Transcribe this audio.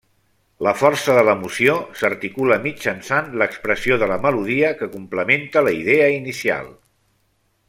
La força de l'emoció s'articula mitjançant l'expressió de la melodia que complementa la idea inicial.